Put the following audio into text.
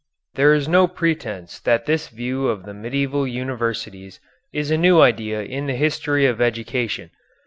There is no pretence that this view of the medieval universities is a new idea in the history of education.